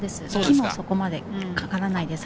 木もそこまでかからないです。